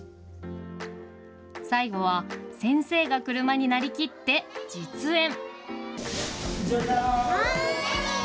最後は先生が車になりきって実演！